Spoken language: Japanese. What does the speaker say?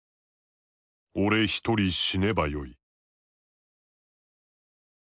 俺一人死ねばよい」。